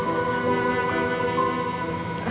dan sangat kecewa